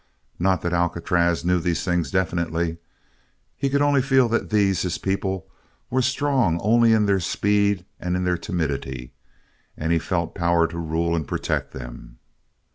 Not that Alcatraz knew these things definitely. He could only feel that these, his people, were strong only in their speed and in their timidity, and he felt power to rule and protect them.